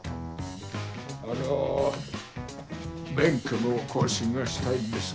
・あの・免許の更新がしたいんですが。